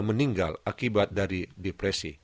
meninggal akibat dari depresi